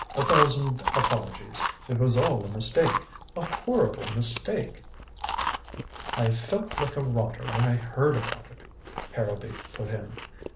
A thousand apologies. It was all a mistake a horrible mistake." "I felt like a rotter when I heard about it," Harrowby put in.